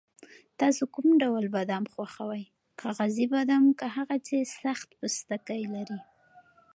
تاسو کوم ډول بادام خوښوئ، کاغذي بادام که هغه چې سخت پوستکی لري؟